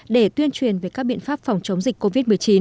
để tuyên truyền về các biện pháp phòng chống dịch covid một mươi chín